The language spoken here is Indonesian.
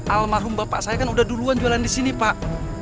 alam harum bapak saya kan udah duluan jualan disini pak